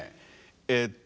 えっと